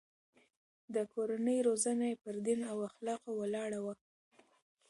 د کورنۍ روزنه يې پر دين او اخلاقو ولاړه وه.